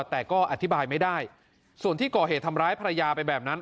แต่ก็อธิบายไม่ได้ส่วนที่ก่อเหตุทำร้ายภรรยาไปแบบนั้น